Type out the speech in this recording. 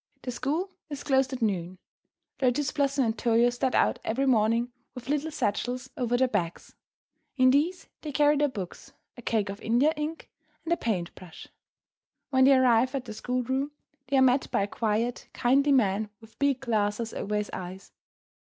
The school is closed at noon. Lotus Blossom and Toyo start out every morning with little satchels over their backs. In these they carry their books, a cake of India ink, and a paint brush. When they arrive at their schoolroom, they are met by a quiet, kindly man with big glasses over his eyes.